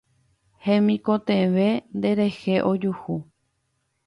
Hemikotevẽ nde rehe ojuhu